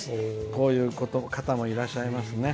こういう方もいらっしゃいますね。